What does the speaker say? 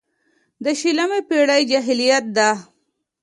د شلمې پېړۍ جاهلیت ده.